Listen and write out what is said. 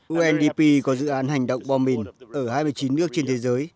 undp có dự án hành động bom mìn ở hai mươi chín nước trên thế giới